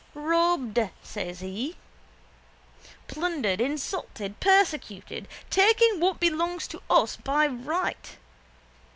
—Robbed, says he. Plundered. Insulted. Persecuted. Taking what belongs to us by right.